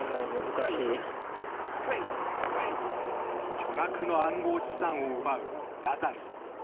巨額の暗号資産を奪うラザルス。